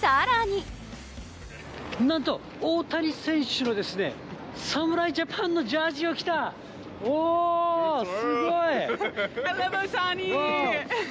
なんと、大谷選手の侍ジャパンのジャージを着た、おー、すごい！